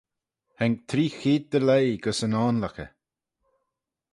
Haink tree cheead dy leih gys yn oanluckey.